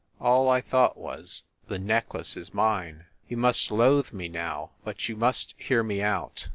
All I thought was, "The necklace is mine !" You must loathe me, now, but you must hear me out.